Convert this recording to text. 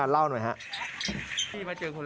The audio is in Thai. ที่ร้านนั้นก็เลยมาดูกัน